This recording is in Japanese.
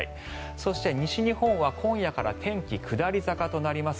そして、西日本は今夜から天気下り坂となります。